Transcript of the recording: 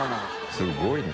すごいね。